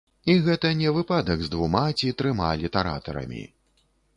І гэта не выпадак з двума ці трыма літаратарамі.